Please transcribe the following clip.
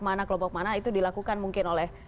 mana kelompok mana itu dilakukan mungkin oleh